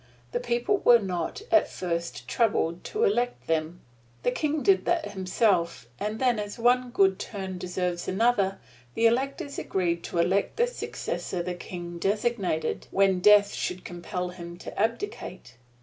The people were not, at first, troubled to elect them the King did that himself, and then as one good turn deserves another, the electors agreed to elect the successor the King designated, when death should compel him to abdicate.